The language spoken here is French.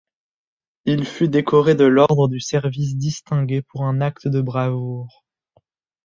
Il fut décoré de l'ordre du Service distingué pour un acte de bravoure.